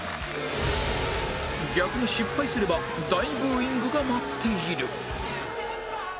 逆に失敗すれば大ブーイングが待っている